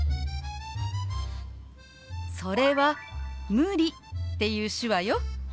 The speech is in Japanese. それは「無理」っていう手話よ。